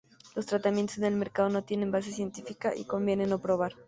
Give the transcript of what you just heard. Los tratamientos en el mercado no tiene base científica y conviene no probar.